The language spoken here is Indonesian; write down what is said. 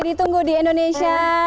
ditunggu di indonesia